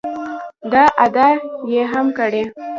دا ادعا یې هم کړې